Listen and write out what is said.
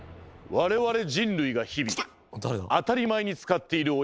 我々人類が日々当たり前に使っている親指。